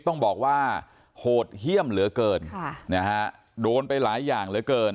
ต้องบอกว่าโหดเยี่ยมเหลือเกินค่ะนะฮะโดนไปหลายอย่างเหลือเกิน